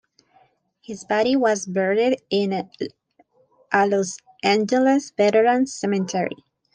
His body was buried in a Los Angeles veterans' cemetery.